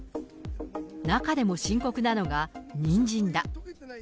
中でも深刻なのが、ニンジンだ。